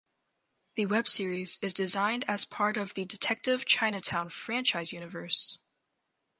The web series is designed as part of the "Detective Chinatown" franchise universe.